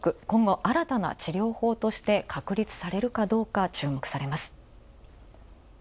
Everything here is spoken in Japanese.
今後あらたな治療法として確立されるかどうか注目されます。